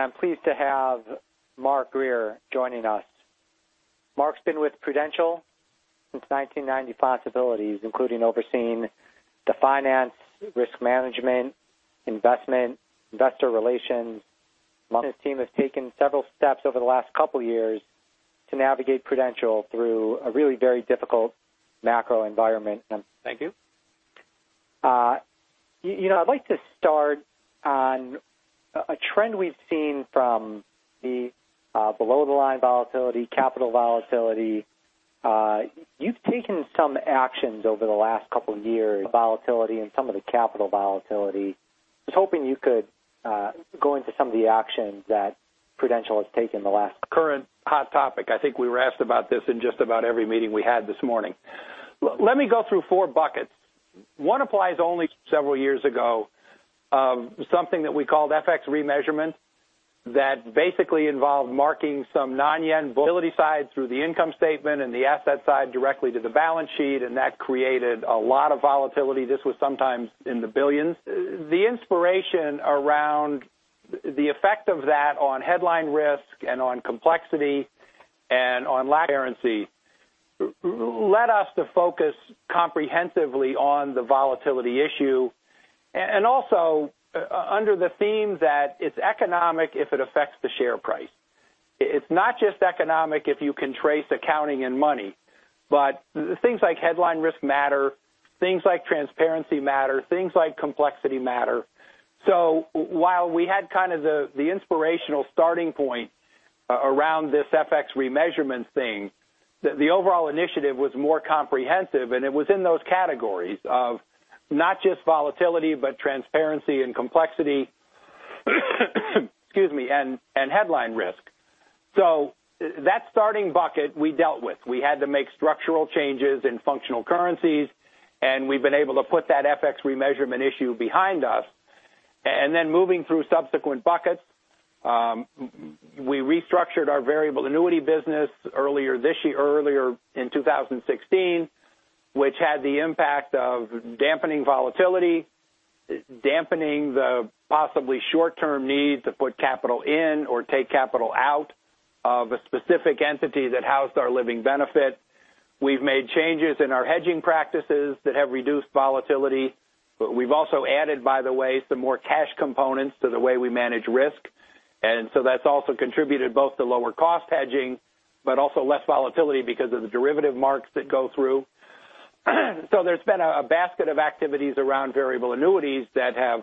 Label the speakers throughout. Speaker 1: I'm pleased to have Mark Grier joining us. Mark's been with Prudential since 1990, possibilities including overseeing the finance, risk management, investment, investor relations. Mark and his team have taken several steps over the last couple of years to navigate Prudential through a really very difficult macro environment.
Speaker 2: Thank you.
Speaker 1: I'd like to start on a trend we've seen from the below-the-line volatility, capital volatility. You've taken some actions over the last couple of years. Volatility and some of the capital volatility. I was hoping you could go into some of the actions that Prudential has taken.
Speaker 2: Current hot topic. I think we were asked about this in just about every meeting we had this morning. Let me go through four buckets. One applies only several years ago, something that we called FX remeasurement that basically involved marking some non-yen volatility side through the income statement and the asset side directly to the balance sheet, and that created a lot of volatility. This was sometimes in the billions. The inspiration around the effect of that on headline risk and on complexity and on currency led us to focus comprehensively on the volatility issue, also under the theme that it's economic if it affects the share price. It's not just economic if you can trace accounting and money, but things like headline risk matter, things like transparency matter, things like complexity matter. While we had kind of the inspirational starting point around this FX remeasurement thing, the overall initiative was more comprehensive, and it was in those categories of not just volatility, but transparency and complexity, excuse me, and headline risk. That starting bucket we dealt with. We had to make structural changes in functional currencies, and we've been able to put that FX remeasurement issue behind us. Then moving through subsequent buckets, we restructured our variable annuity business earlier in 2016, which had the impact of dampening volatility, dampening the possibly short-term need to put capital in or take capital out of a specific entity that housed our living benefit. We've made changes in our hedging practices that have reduced volatility, but we've also added, by the way, some more cash components to the way we manage risk. That's also contributed both to lower cost hedging, but also less volatility because of the derivative marks that go through. There's been a basket of activities around variable annuities that have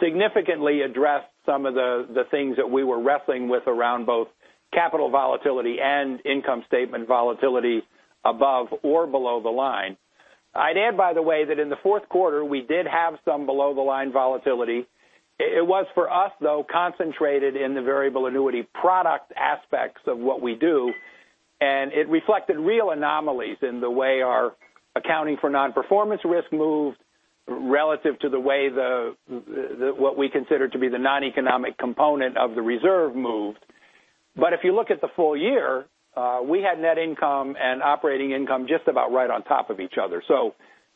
Speaker 2: significantly addressed some of the things that we were wrestling with around both capital volatility and income statement volatility above or below the line. I'd add, by the way, that in the fourth quarter, we did have some below the line volatility. It was for us, though, concentrated in the variable annuity product aspects of what we do, and it reflected real anomalies in the way our accounting for non-performance risk moved relative to the way what we consider to be the non-economic component of the reserve moved. But if you look at the full year, we had net income and operating income just about right on top of each other.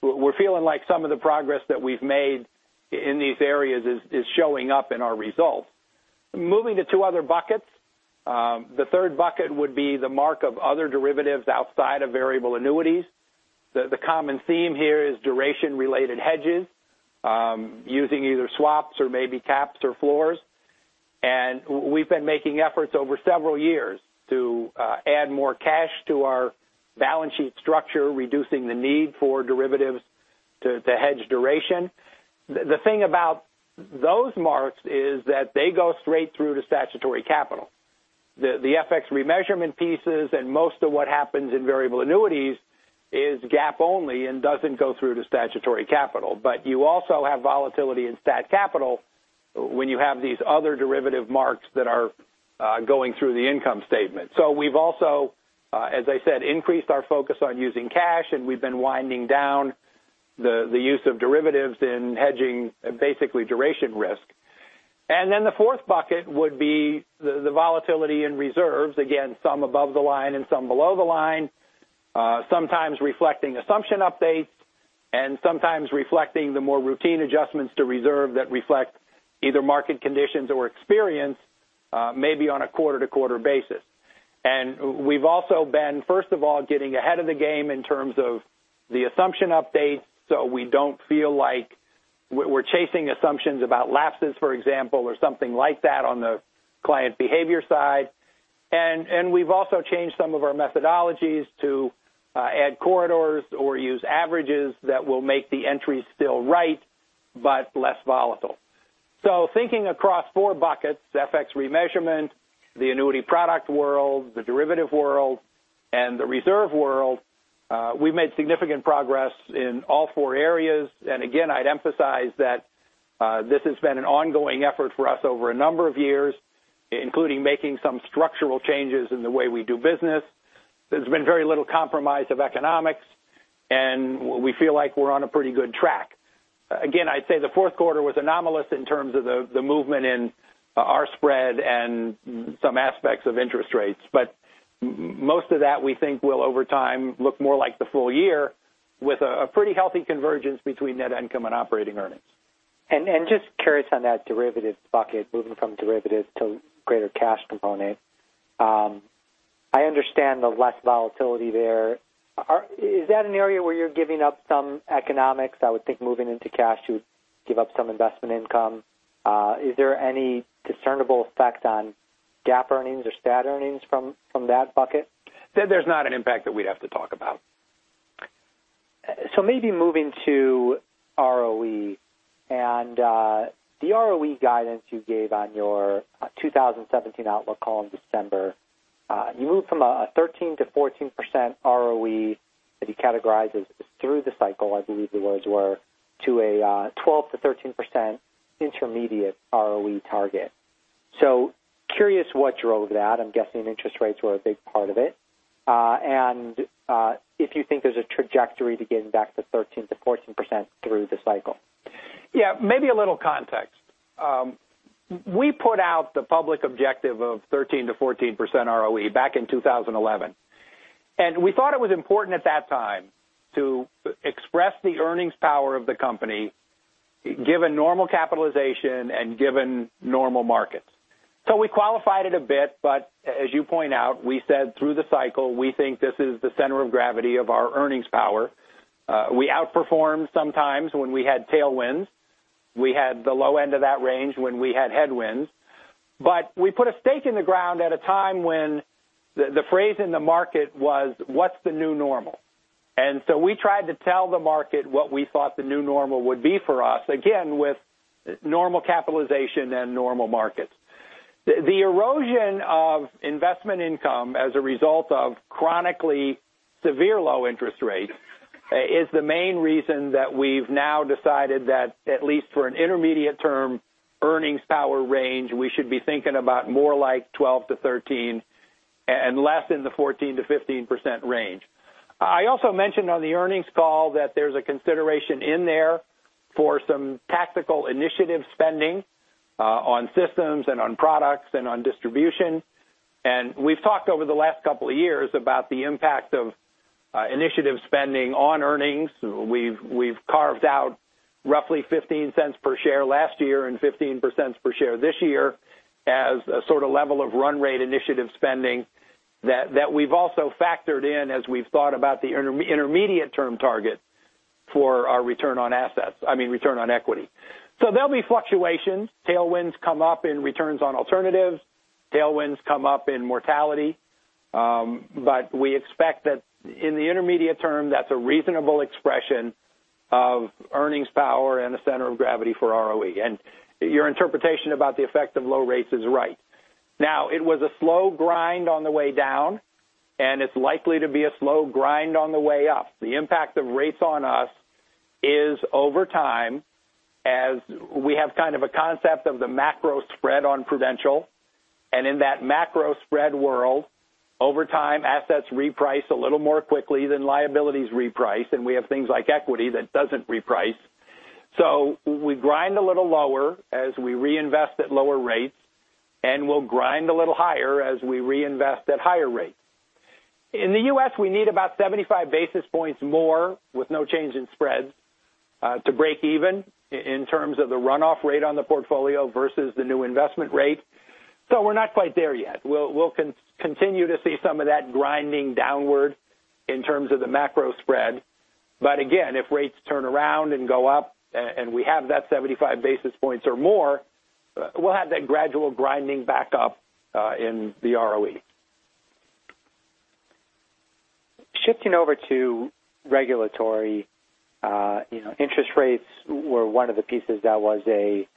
Speaker 2: We're feeling like some of the progress that we've made in these areas is showing up in our results. Moving to two other buckets. The third bucket would be the mark of other derivatives outside of variable annuities. The common theme here is duration-related hedges using either swaps or maybe caps or floors. We've been making efforts over several years to add more cash to our balance sheet structure, reducing the need for derivatives to hedge duration. The thing about those marks is that they go straight through to statutory capital. The FX remeasurement pieces and most of what happens in variable annuities is GAAP only and doesn't go through to statutory capital. But you also have volatility in stat capital when you have these other derivative marks that are going through the income statement. We've also, as I said, increased our focus on using cash, and we've been winding down the use of derivatives in hedging, basically duration risk. The fourth bucket would be the volatility in reserves. Again, some above the line and some below the line, sometimes reflecting assumption updates and sometimes reflecting the more routine adjustments to reserve that reflect either market conditions or experience, maybe on a quarter-to-quarter basis. We've also been, first of all, getting ahead of the game in terms of the assumption updates, so we don't feel like we're chasing assumptions about lapses, for example, or something like that on the client behavior side. And we've also changed some of our methodologies to add corridors or use averages that will make the entries still right but less volatile. Thinking across four buckets, FX remeasurement, the annuity product world, the derivative world, and the reserve world, we've made significant progress in all four areas. Again, I'd emphasize that this has been an ongoing effort for us over a number of years, including making some structural changes in the way we do business. There's been very little compromise of economics, and we feel like we're on a pretty good track. I'd say the fourth quarter was anomalous in terms of the movement in our spread and some aspects of interest rates. Most of that we think will over time look more like the full year with a pretty healthy convergence between net income and operating earnings.
Speaker 1: Just curious on that derivative bucket, moving from derivative to greater cash component. I understand the less volatility there. Is that an area where you're giving up some economics? I would think moving into cash, you'd give up some investment income. Is there any discernible effect on GAAP earnings or stat earnings from that bucket?
Speaker 2: There's not an impact that we'd have to talk about.
Speaker 1: Maybe moving to ROE, and the ROE guidance you gave on your 2017 outlook call in December. You moved from a 13%-14% ROE that you categorize as through the cycle, I believe the words were, to a 12%-13% intermediate ROE target. Curious what drove that. I'm guessing interest rates were a big part of it. If you think there's a trajectory to getting back to 13%-14% through the cycle.
Speaker 2: Yeah. Maybe a little context. We put out the public objective of 13%-14% ROE back in 2011. We thought it was important at that time to express the earnings power of the company, given normal capitalization and given normal markets. We qualified it a bit, as you point out, we said through the cycle, we think this is the center of gravity of our earnings power. We outperformed sometimes when we had tailwinds. We had the low end of that range when we had headwinds. We put a stake in the ground at a time when the phrase in the market was, "What's the new normal?" We tried to tell the market what we thought the new normal would be for us, again, with normal capitalization and normal markets. The erosion of investment income as a result of chronically severe low interest rates is the main reason that we've now decided that at least for an intermediate term earnings power range, we should be thinking about more like 12%-13% and less in the 14%-15% range. I also mentioned on the earnings call that there's a consideration in there for some tactical initiative spending on systems and on products and on distribution. We've talked over the last couple of years about the impact of initiative spending on earnings. We've carved out roughly $0.15 per share last year and $0.15 per share this year as a sort of level of run rate initiative spending that we've also factored in as we've thought about the intermediate term target for our return on assets, I mean, return on equity. There'll be fluctuations. Tailwinds come up in returns on alternatives. Tailwinds come up in mortality. We expect that in the intermediate term, that's a reasonable expression of earnings power and the center of gravity for ROE. Your interpretation about the effect of low rates is right. Now, it was a slow grind on the way down, and it's likely to be a slow grind on the way up. The impact of rates on us is over time, as we have kind of a concept of the macro spread on Prudential, in that macro spread world, over time, assets reprice a little more quickly than liabilities reprice, and we have things like equity that doesn't reprice. We grind a little lower as we reinvest at lower rates, and we'll grind a little higher as we reinvest at higher rates. In the U.S., we need about 75 basis points more with no change in spreads to break even in terms of the runoff rate on the portfolio versus the new investment rate. We're not quite there yet. We'll continue to see some of that grinding downward in terms of the macro spread. Again, if rates turn around and go up and we have that 75 basis points or more, we'll have that gradual grinding back up in the ROE.
Speaker 1: Shifting over to regulatory. Interest rates were one of the pieces that was a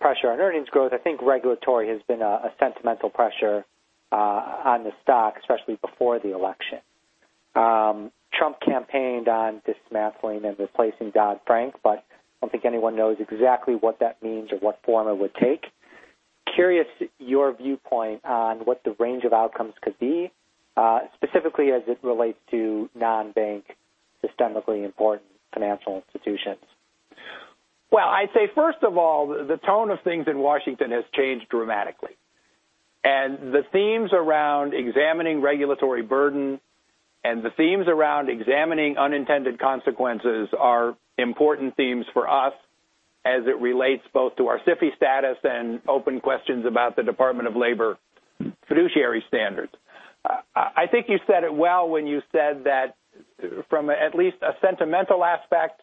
Speaker 1: pressure on earnings growth. I think regulatory has been a sentimental pressure on the stock, especially before the election. Trump campaigned on dismantling and replacing Dodd-Frank, but I don't think anyone knows exactly what that means or what form it would take. Curious your viewpoint on what the range of outcomes could be, specifically as it relates to non-bank systemically important financial institutions.
Speaker 2: Well, I'd say, first of all, the tone of things in Washington has changed dramatically, and the themes around examining regulatory burden and the themes around examining unintended consequences are important themes for us as it relates both to our SIFI status and open questions about the Department of Labor fiduciary standards. I think you said it well when you said that from at least a sentimental aspect,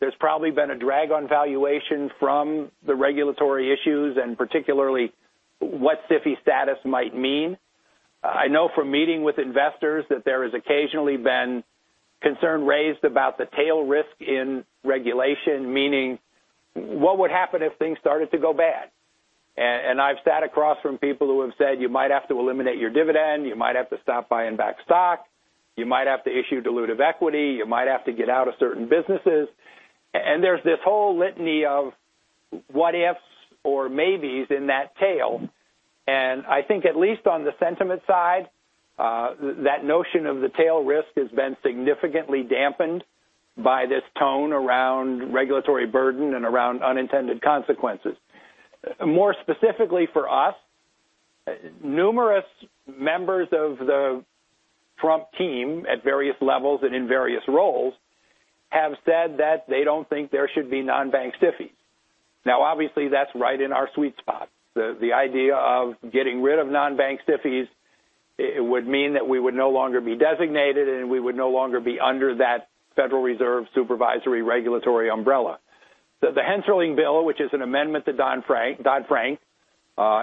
Speaker 2: there's probably been a drag on valuation from the regulatory issues and particularly what SIFI status might mean. I know from meeting with investors that there has occasionally been concern raised about the tail risk in regulation, meaning what would happen if things started to go bad? I've sat across from people who have said, "You might have to eliminate your dividend. You might have to stop buying back stock. You might have to issue dilutive equity. You might have to get out of certain businesses." There's this whole litany of what-ifs or maybes in that tail. I think at least on the sentiment side, that notion of the tail risk has been significantly dampened by this tone around regulatory burden and around unintended consequences. More specifically for us, numerous members of the Trump team at various levels and in various roles have said that they don't think there should be non-bank SIFIs. Now, obviously, that's right in our sweet spot. The idea of getting rid of non-bank SIFIs would mean that we would no longer be designated, and we would no longer be under that Federal Reserve supervisory regulatory umbrella. The Hensarling bill, which is an amendment to Dodd-Frank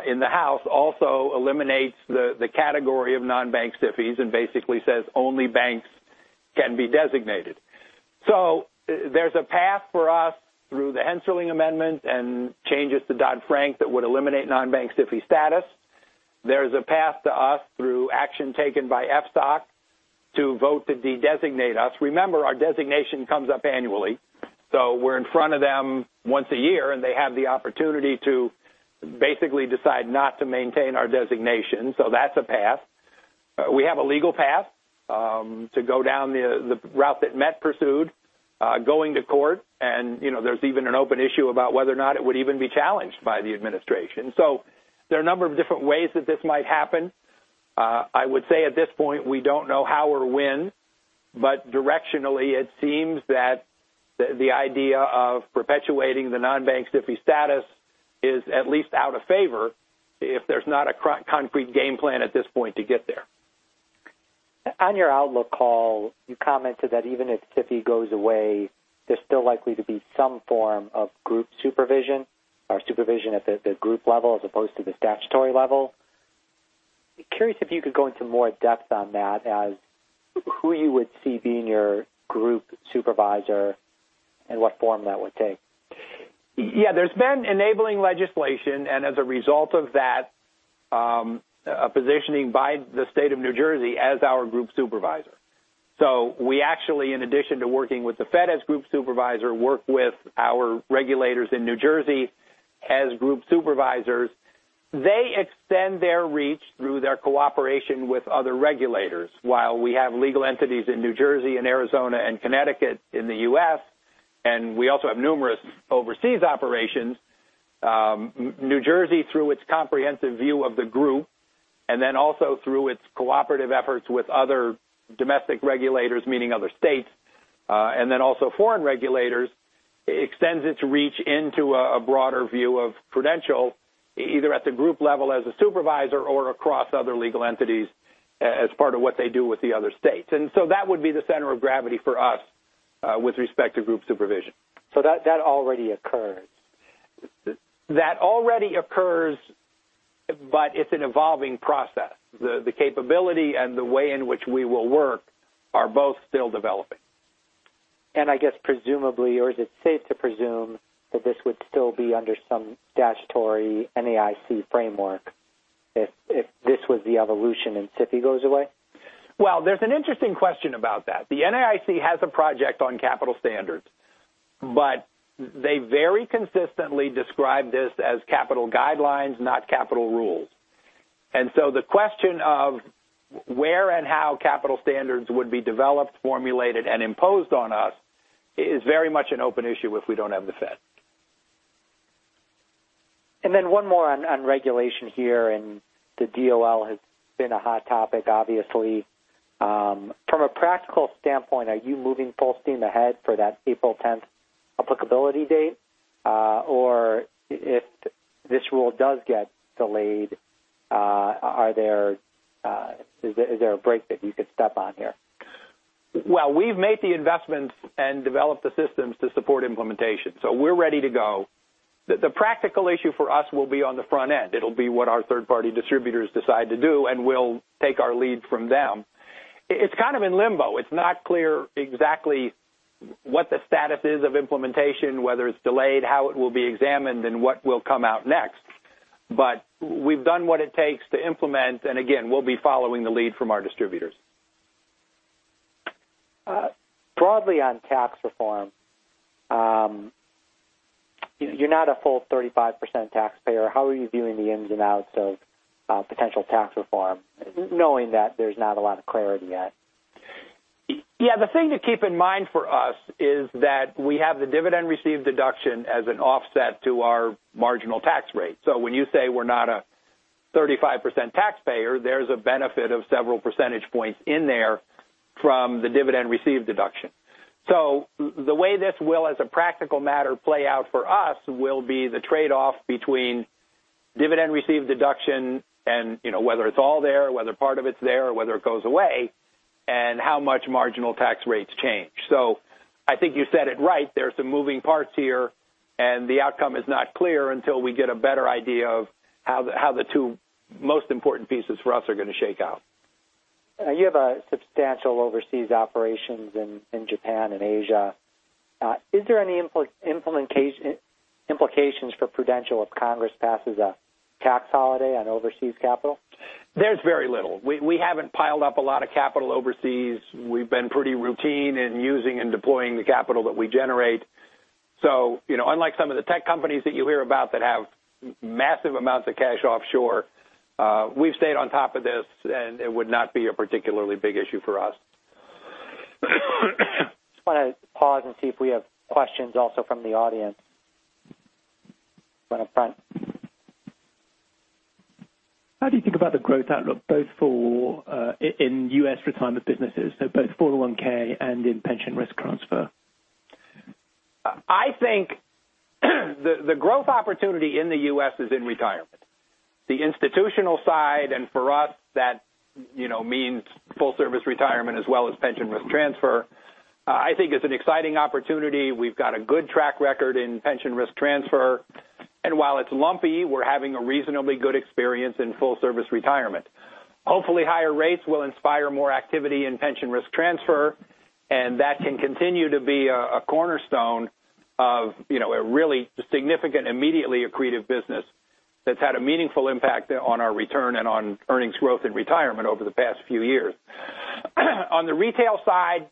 Speaker 2: in the House, also eliminates the category of non-bank SIFIs and basically says only banks can be designated. There's a path for us through the Hensarling amendment and changes to Dodd-Frank that would eliminate non-bank SIFI status. There's a path to us through action taken by FSOC to vote to de-designate us. Remember, our designation comes up annually. We're in front of them once a year, and they have the opportunity to basically decide not to maintain our designation. That's a path. We have a legal path to go down the route that Met pursued going to court, and there's even an open issue about whether or not it would even be challenged by the administration. There are a number of different ways that this might happen. I would say at this point, we don't know how or when, but directionally, it seems that the idea of perpetuating the non-bank SIFI status is at least out of favor if there's not a concrete game plan at this point to get there.
Speaker 1: On your outlook call, you commented that even if SIFI goes away, there's still likely to be some form of group supervision or supervision at the group level as opposed to the statutory level. Curious if you could go into more depth on that as who you would see being your group supervisor and what form that would take.
Speaker 2: Yeah. There's been enabling legislation and as a result of that, a positioning by the state of New Jersey as our group supervisor. We actually, in addition to working with the Fed as group supervisor, work with our regulators in New Jersey as group supervisors. They extend their reach through their cooperation with other regulators. While we have legal entities in New Jersey and Arizona and Connecticut in the U.S., and we also have numerous overseas operations, New Jersey, through its comprehensive view of the group and then also through its cooperative efforts with other domestic regulators, meaning other states, and then also foreign regulators, extends its reach into a broader view of Prudential, either at the group level as a supervisor or across other legal entities as part of what they do with the other states. That would be the center of gravity for us with respect to group supervision.
Speaker 1: That already occurs.
Speaker 2: That already occurs, but it's an evolving process. The capability and the way in which we will work are both still developing.
Speaker 1: I guess presumably, or is it safe to presume that this would still be under some statutory NAIC framework if this was the evolution and SIFI goes away?
Speaker 2: There's an interesting question about that. The NAIC has a project on capital standards, but they very consistently describe this as capital guidelines, not capital rules. The question of where and how capital standards would be developed, formulated, and imposed on us is very much an open issue if we don't have the Fed.
Speaker 1: One more on regulation here, the DOL has been a hot topic, obviously. From a practical standpoint, are you moving full steam ahead for that April 10th applicability date? If this rule does get delayed, is there a brake that you could step on here?
Speaker 2: Well, we've made the investments and developed the systems to support implementation, so we're ready to go. The practical issue for us will be on the front end. It'll be what our third-party distributors decide to do, and we'll take our lead from them. It's kind of in limbo. It's not clear exactly what the status is of implementation, whether it's delayed, how it will be examined, and what will come out next. We've done what it takes to implement, and again, we'll be following the lead from our distributors.
Speaker 1: Broadly on tax reform. You're not a full 35% taxpayer. How are you viewing the ins and outs of potential tax reform, knowing that there's not a lot of clarity yet?
Speaker 2: Yeah. The thing to keep in mind for us is that we have the dividend received deduction as an offset to our marginal tax rate. When you say we're not a 35% taxpayer, there's a benefit of several percentage points in there from the dividend received deduction. The way this will, as a practical matter, play out for us will be the trade-off between dividend received deduction and whether it's all there, whether part of it's there, or whether it goes away, and how much marginal tax rates change. I think you said it right. There are some moving parts here, and the outcome is not clear until we get a better idea of how the two most important pieces for us are going to shake out.
Speaker 1: You have substantial overseas operations in Japan and Asia. Is there any implications for Prudential if Congress passes a tax holiday on overseas capital?
Speaker 2: There's very little. We haven't piled up a lot of capital overseas. We've been pretty routine in using and deploying the capital that we generate. Unlike some of the tech companies that you hear about that have massive amounts of cash offshore, we've stayed on top of this, and it would not be a particularly big issue for us.
Speaker 1: Just want to pause and see if we have questions also from the audience. Front up front.
Speaker 3: How do you think about the growth outlook both in U.S. retirement businesses, so both 401(k) and in pension risk transfer?
Speaker 2: I think the growth opportunity in the U.S. is in retirement. The institutional side, and for us, that means full service retirement as well as pension risk transfer, I think is an exciting opportunity. We've got a good track record in pension risk transfer, and while it's lumpy, we're having a reasonably good experience in full service retirement. Hopefully, higher rates will inspire more activity in pension risk transfer, and that can continue to be a cornerstone of a really significant, immediately accretive business that's had a meaningful impact on our return and on earnings growth and retirement over the past few years. On the retail side,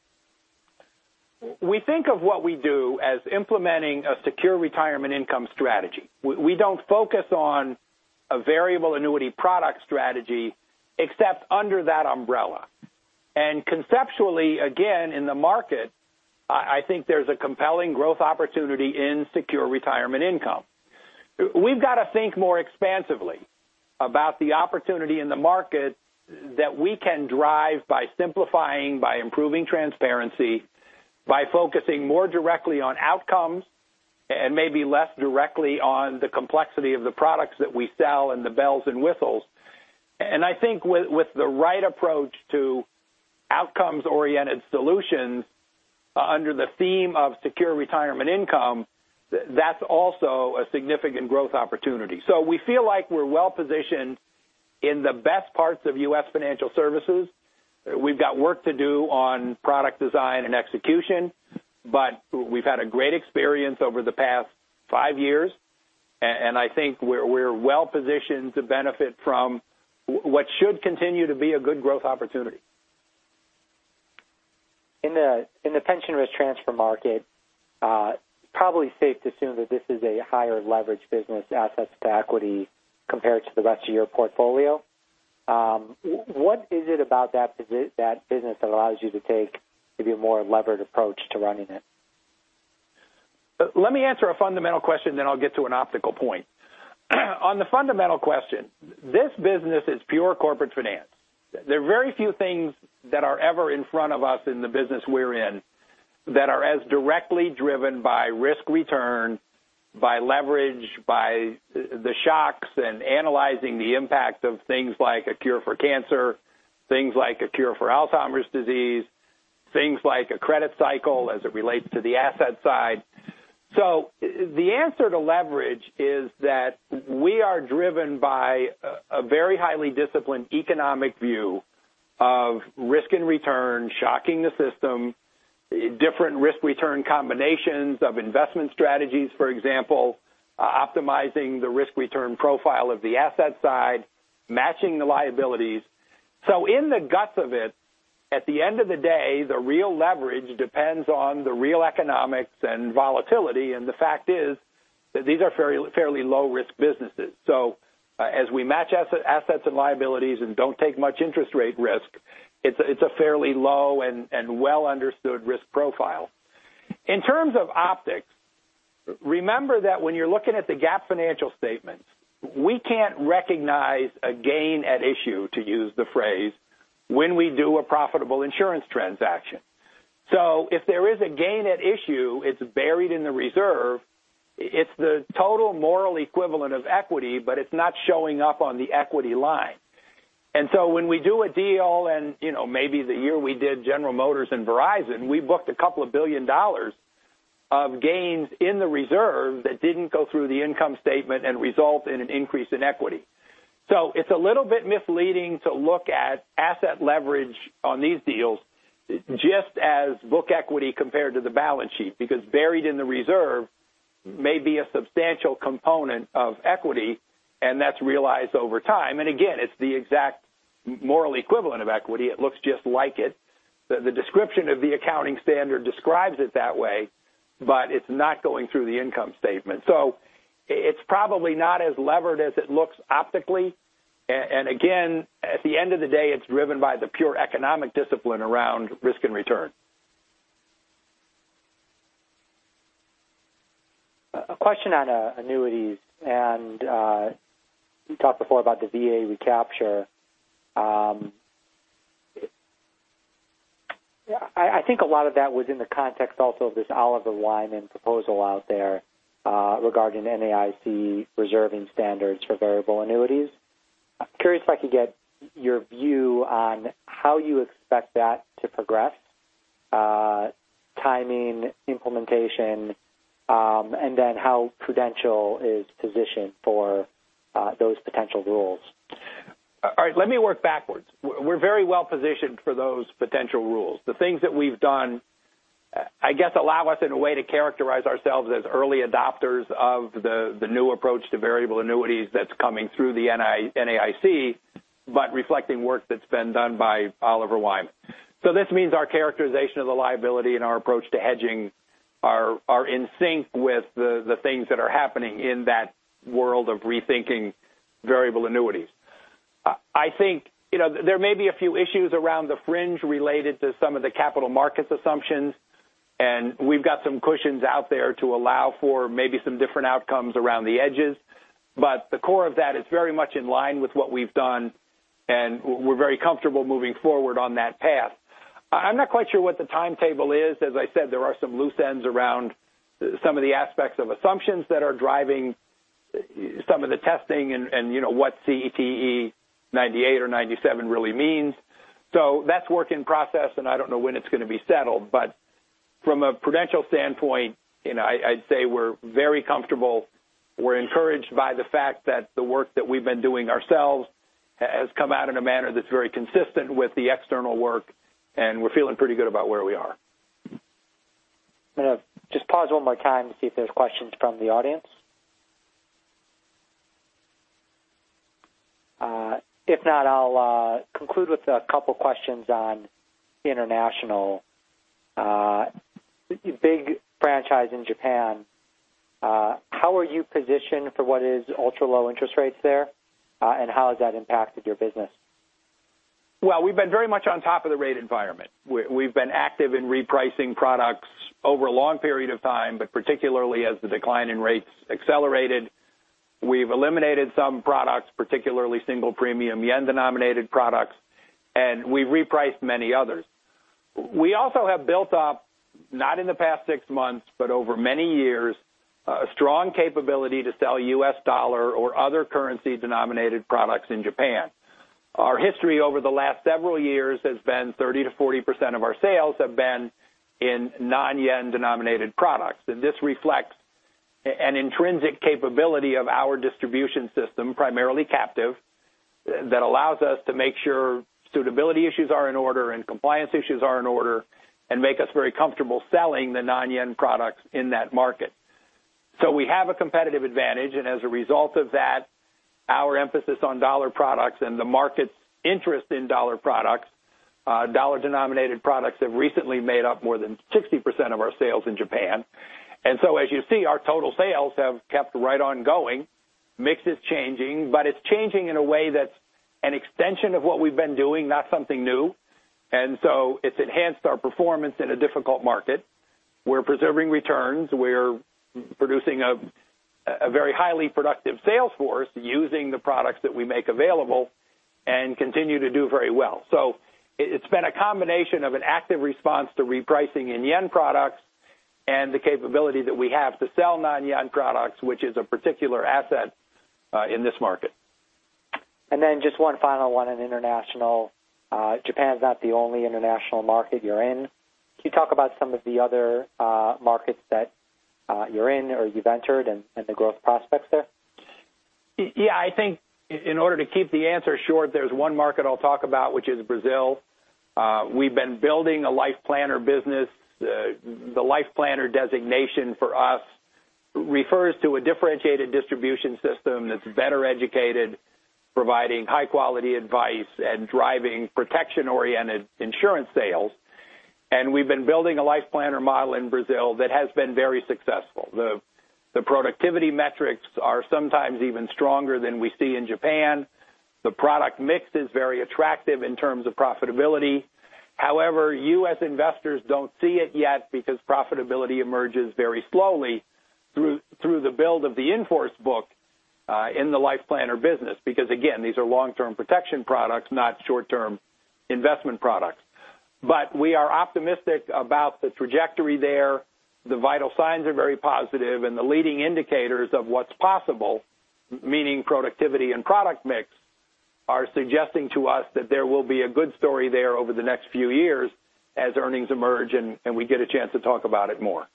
Speaker 2: we think of what we do as implementing a secure retirement income strategy. We don't focus on a variable annuity product strategy except under that umbrella. Conceptually, again, in the market, I think there's a compelling growth opportunity in secure retirement income. We've got to think more expansively about the opportunity in the market that we can drive by simplifying, by improving transparency, by focusing more directly on outcomes, and maybe less directly on the complexity of the products that we sell and the bells and whistles. I think with the right approach to outcomes-oriented solutions under the theme of secure retirement income, that's also a significant growth opportunity. We feel like we're well-positioned in the best parts of U.S. financial services. We've got work to do on product design and execution, but we've had a great experience over the past five years, and I think we're well-positioned to benefit from what should continue to be a good growth opportunity.
Speaker 1: In the pension risk transfer market, probably safe to assume that this is a higher leverage business assets to equity compared to the rest of your portfolio. What is it about that business that allows you to take maybe a more levered approach to running it?
Speaker 2: Let me answer a fundamental question, then I'll get to an optical point. On the fundamental question, this business is pure corporate finance. There are very few things that are ever in front of us in the business we're in that are as directly driven by risk-return, by leverage, by the shocks, and analyzing the impact of things like a cure for cancer, things like a cure for Alzheimer's disease, things like a credit cycle as it relates to the asset side. The answer to leverage is that we are driven by a very highly disciplined economic view of risk and return, shocking the system, different risk-return combinations of investment strategies, for example, optimizing the risk-return profile of the asset side, matching the liabilities. In the guts of it, at the end of the day, the real leverage depends on the real economics and volatility, the fact is that these are fairly low-risk businesses. As we match assets and liabilities and don't take much interest rate risk, it's a fairly low and well-understood risk profile. In terms of optics, remember that when you're looking at the GAAP financial statements, we can't recognize a gain at issue, to use the phrase, when we do a profitable insurance transaction. If there is a gain at issue, it's buried in the reserve. It's the total moral equivalent of equity, but it's not showing up on the equity line. When we do a deal, maybe the year we did General Motors and Verizon, we booked a couple of billion dollars of gains in the reserve that didn't go through the income statement and result in an increase in equity. It's a little bit misleading to look at asset leverage on these deals just as book equity compared to the balance sheet, because buried in the reserve may be a substantial component of equity, and that's realized over time. Again, it's the exact moral equivalent of equity. It looks just like it. The description of the accounting standard describes it that way, but it's not going through the income statement. It's probably not as levered as it looks optically. Again, at the end of the day, it's driven by the pure economic discipline around risk and return.
Speaker 1: A question on annuities, you talked before about the VA recapture. I think a lot of that was in the context also of this Oliver Wyman proposal out there regarding NAIC reserving standards for variable annuities. I'm curious if I could get your view on how you expect that to progress, timing, implementation, and then how Prudential is positioned for those potential rules.
Speaker 2: All right. Let me work backwards. We're very well positioned for those potential rules. The things that we've done, I guess, allow us in a way to characterize ourselves as early adopters of the new approach to variable annuities that's coming through the NAIC, but reflecting work that's been done by Oliver Wyman. This means our characterization of the liability and our approach to hedging are in sync with the things that are happening in that world of rethinking variable annuities. I think there may be a few issues around the fringe related to some of the capital markets assumptions, we've got some cushions out there to allow for maybe some different outcomes around the edges. The core of that is very much in line with what we've done, we're very comfortable moving forward on that path. I'm not quite sure what the timetable is. As I said, there are some loose ends around some of the aspects of assumptions that are driving some of the testing and what CTE98 or 97 really means. That's work in process, and I don't know when it's going to be settled, but from a Prudential standpoint, I'd say we're very comfortable. We're encouraged by the fact that the work that we've been doing ourselves has come out in a manner that's very consistent with the external work, and we're feeling pretty good about where we are.
Speaker 1: I'm going to just pause one more time to see if there's questions from the audience. If not, I'll conclude with a couple questions on international. Big franchise in Japan. How are you positioned for what is ultra-low interest rates there? And how has that impacted your business?
Speaker 2: Well, we've been very much on top of the rate environment. We've been active in repricing products over a long period of time, but particularly as the decline in rates accelerated. We've eliminated some products, particularly single premium yen-denominated products, and we repriced many others. We also have built up, not in the past six months, but over many years, a strong capability to sell U.S. dollar or other currency-denominated products in Japan. Our history over the last several years has been 30%-40% of our sales have been in non-yen denominated products, and this reflects an intrinsic capability of our distribution system, primarily captive, that allows us to make sure suitability issues are in order and compliance issues are in order, and make us very comfortable selling the non-yen products in that market. We have a competitive advantage, and as a result of that, our emphasis on dollar products and the market's interest in dollar products, dollar-denominated products have recently made up more than 60% of our sales in Japan. As you see, our total sales have kept right on going. Mix is changing, but it's changing in a way that's an extension of what we've been doing, not something new. It's enhanced our performance in a difficult market. We're preserving returns. We're producing a very highly productive sales force using the products that we make available and continue to do very well. So it's been a combination of an active response to repricing in yen products and the capability that we have to sell non-yen products, which is a particular asset in this market.
Speaker 1: Just one final one on international. Japan is not the only international market you're in. Can you talk about some of the other markets that you're in or you've entered and the growth prospects there?
Speaker 2: Yeah. I think in order to keep the answer short, there's one market I'll talk about, which is Brazil. We've been building a Life Planner business. The Life Planner designation for us refers to a differentiated distribution system that's better educated, providing high-quality advice and driving protection-oriented insurance sales. We've been building a Life Planner model in Brazil that has been very successful. The productivity metrics are sometimes even stronger than we see in Japan. The product mix is very attractive in terms of profitability. However, U.S. investors don't see it yet because profitability emerges very slowly through the build of the in-force book in the Life Planner business. Again, these are long-term protection products, not short-term investment products. We are optimistic about the trajectory there. The vital signs are very positive and the leading indicators of what's possible, meaning productivity and product mix, are suggesting to us that there will be a good story there over the next few years as earnings emerge and we get a chance to talk about it more.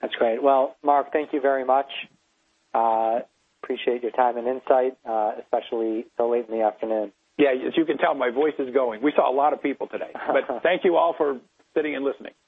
Speaker 1: That's great. Well, Mark, thank you very much. Appreciate your time and insight, especially so late in the afternoon.
Speaker 2: Yeah. As you can tell, my voice is going. We saw a lot of people today. Thank you all for sitting and listening.